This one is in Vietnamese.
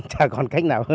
chả còn cách nào hơn